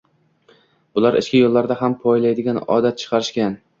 Bular ichki yo`llarda ham poylaydigan odat chiqarishgan